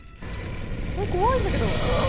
えっ怖いんだけど。